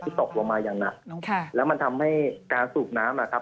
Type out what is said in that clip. ตกลงมาอย่างหนักแล้วมันทำให้การสูบน้ำอ่ะครับ